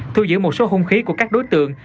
thu giữ một số hung khí của các đối tượng